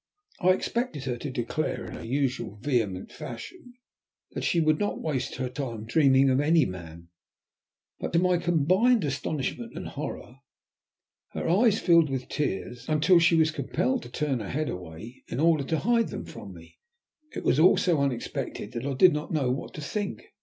I expected her to declare in her usual vehement fashion that she would not waste her time dreaming of any man, but to my combined astonishment and horror her eyes filled with tears, until she was compelled to turn her head away in order to hide them from me. It was all so unexpected that I did not know what to think.